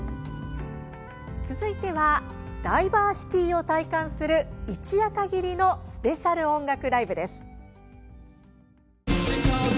続いてはダイバーシティーを体感する一夜限りのスペシャル音楽ライブです。